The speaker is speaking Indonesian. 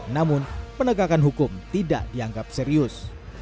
namun penegakan hukum tidak dianggap serius